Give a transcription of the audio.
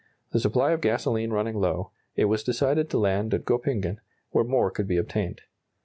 The supply of gasoline running low, it was decided to land at Goeppingen, where more could be obtained.